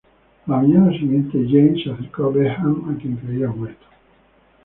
A la mañana siguiente, James se acercó a Beckham, a quien creía muerto.